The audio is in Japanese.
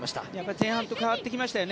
前半と変わってきましたよね。